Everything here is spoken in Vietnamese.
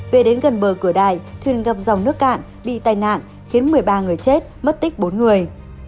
về đến gần bờ cửa đại thuyền gặp dòng nước cạn bị tai nạn khiến một mươi ba người chết mất tích bốn người